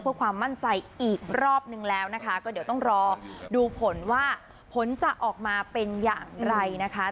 เพื่อความมั่นใจอีกรอบนึงแล้วนะคะก็เดี๋ยวต้องรอดูผลว่าผลจะออกมาเป็นอย่างไรนะคะ